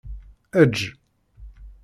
Eǧǧ.